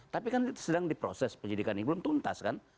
tapi kan sedang diproses penyidikan ini belum tuntas kan